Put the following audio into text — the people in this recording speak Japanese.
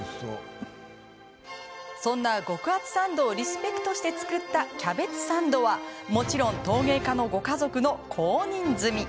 そんな極厚サンドをリスペクトして作ったキャベツサンドはもちろん陶芸家のご家族の公認済み。